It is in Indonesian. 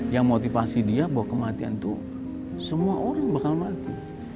yang motivasi dia bahwa kematian itu semua orang bakal mati